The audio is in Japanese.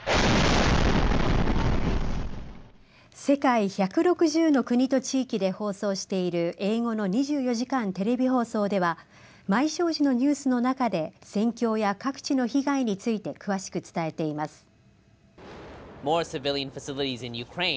世界１６０の国と地域で放送している英語の２４時間テレビ放送では毎正時のニュースの中で戦況や各地の被害について詳しく伝えています。